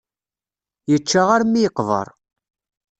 Yečča armi yeqber.